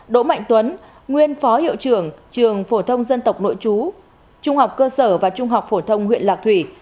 đỗ mạnh tuấn nguyên phó hiệu trưởng trường phổ thông dân tộc nội chú trung học cơ sở và trung học phổ thông huyện lạc thủy